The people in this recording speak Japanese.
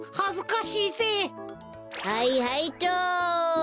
はいはいっと。